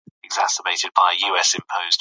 یرغلونه بیا هم دوام وکړل.